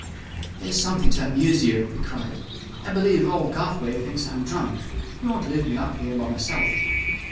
"Here's something to amuse you!" he cried. "I believe old Garthwaite thinks I am drunk he won't leave me up here by myself."